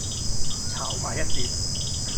炒埋一碟